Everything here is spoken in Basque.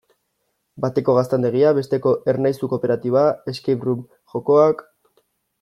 Bateko gaztandegia, besteko Ernaizu kooperatiba, escape-room jokoak...